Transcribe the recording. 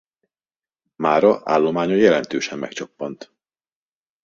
Mára állománya jelentősen megcsappant.